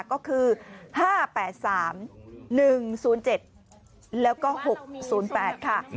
ก็คือ๕๘๓๑๐๗แล้วก็๖๐๘ค่ะ